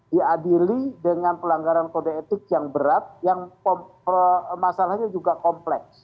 diadili dengan pelanggaran kode etik yang berat yang masalahnya juga kompleks